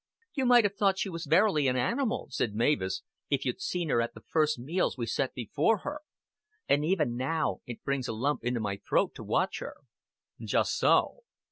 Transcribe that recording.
"You might have thought she was verily an animal," said Mavis, "if you'd seen her at the first meals we set before her. And even now it brings a lump into my throat to watch her." "Just so."